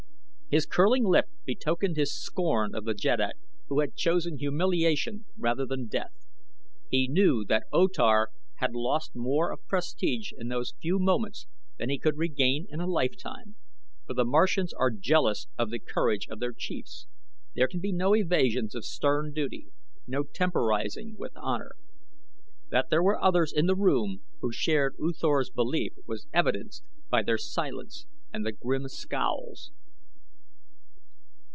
His curling lip betokened his scorn of the jeddak who had chosen humiliation rather than death. He knew that O Tar had lost more of prestige in those few moments than he could regain in a lifetime, for the Martians are jealous of the courage of their chiefs there can be no evasions of stern duty, no temporizing with honor. That there were others in the room who shared U Thor's belief was evidenced by the silence and the grim scowls.